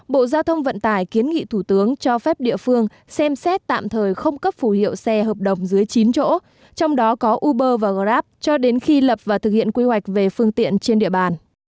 bộ giao thông vận tải kiến nghị thủ tướng cho phép địa phương xem xét tạm thời không cấp phủ hiệu xe hợp đồng dưới chín chỗ trong đó có uber và grab cho đến khi lập và thực hiện quy hoạch về phương tiện trên địa bàn